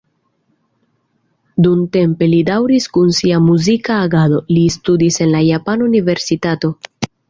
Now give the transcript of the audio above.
Dumtempe li daŭris kun sia muzika agado, Li studis en la Japana Universitato.